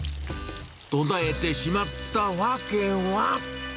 途絶えてしまった訳は。